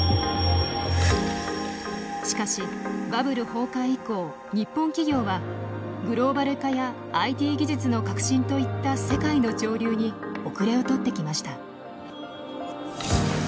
しかしバブル崩壊以降日本企業はグローバル化やＩＴ技術の革新といった世界の潮流におくれを取ってきました。